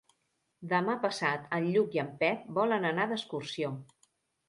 Demà passat en Lluc i en Pep volen anar d'excursió.